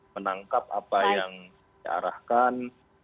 menangkap apa yang diarahkan